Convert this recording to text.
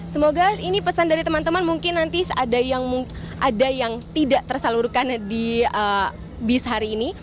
semoga ini pesan dari teman teman mungkin nanti ada yang tidak tersalurkan di bis hari ini